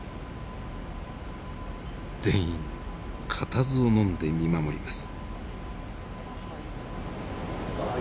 全員固唾をのんで見守ります。